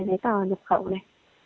giấy tờ nhập khẩu này